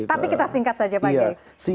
tapi kita singkat saja pak kiai